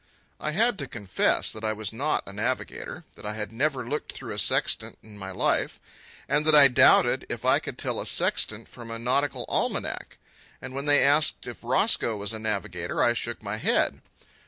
I had to confess that I was not a navigator, that I had never looked through a sextant in my life, and that I doubted if I could tell a sextant from a nautical almanac. And when they asked if Roscoe was a navigator, I shook my head.